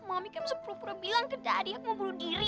mami kan sepura pura bilang ke daddy aku mau bunuh diri